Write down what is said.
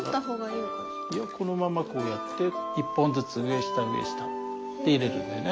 いやこのままこうやって１本ずつ上下上下で入れるんだよね。